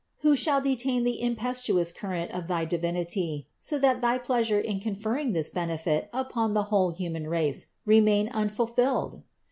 Who shall detain the im petuous current of thy Divinity, so that thy pleasure in conferring this benefit upon the whole human race remain unfulfilled?